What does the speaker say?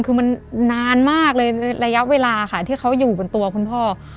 คือมันนานมากเลยในระยะเวลาค่ะที่เขาอยู่บนตัวคุณพ่อ